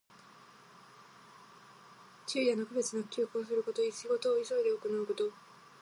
昼夜の区別なく急行すること。仕事を急いで行うこと。